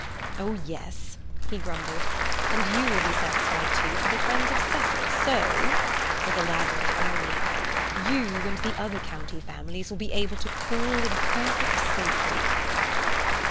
"Oh, yes," he grumbled. "And you will be satisfied, too, for they're friends of Cecil; so"—elaborate irony—"you and the other country families will be able to call in perfect safety."